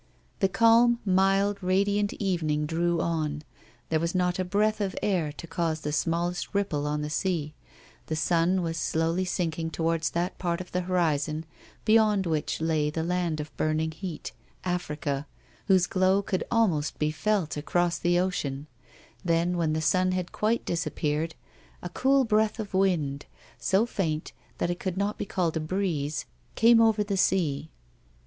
The calm, mild, radiant evening drew on ; there was not a breath of air to cause the smallest ripple on the sea ; the sun was slowly sinking towards that part of the horizon beyond which lay the land of burning heat, Africa, whose glow could almost be felt across the ocean ; then^ when the 64 A WO.MAN S LIFE. sun had quite disappeared, a cool breath of wind, so faint that it could not be called a breeze, came over the sea.